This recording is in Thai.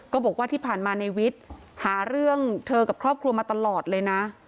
ก็บอกว่าที่ผ่านมาในวิทย์หาเรื่องเธอกับครอบครัวมาตลอดเลยนะ